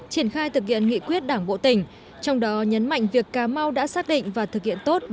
triển khai thực hiện nghị quyết đảng bộ tỉnh trong đó nhấn mạnh việc cà mau đã xác định và thực hiện tốt